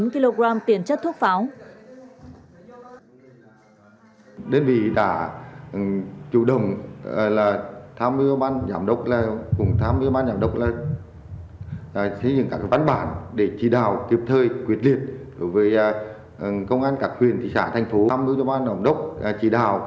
một bốn mươi năm kg thuốc pháo một mươi ba chín kg tiện chất thuốc pháo